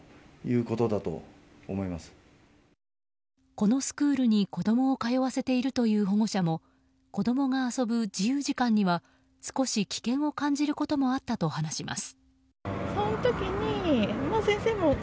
このスクールに、子供を通わせているという保護者も子供が遊ぶ自由時間には少し危険を感じることもあったと話します。